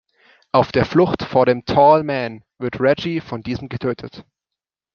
Auf der Flucht vor dem Tall Man wird Reggie von diesem getötet.